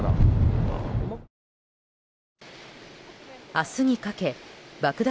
明日にかけ爆弾